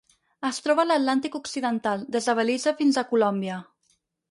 Es troba a l'Atlàntic occidental: des de Belize fins a Colòmbia.